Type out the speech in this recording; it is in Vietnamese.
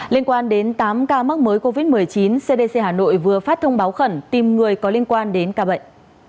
liên quan đến tám ca mắc mới covid một mươi chín cdc hà nội vừa phát thông báo khẩn tìm người có liên quan đến ca bệnh